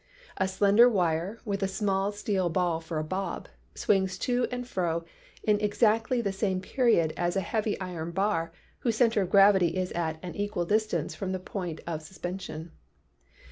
A slender wire, with a small steel ball for a bob, swings to and fro in exactly the same period as a heavy iron bar whose center of gravity is at an equal distance from the point of suspen sion.